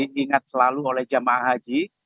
yang harus diingat selalu oleh jemaah haji